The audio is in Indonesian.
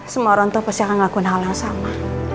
semua orang tuh pasti akan ngakuin hal yang sama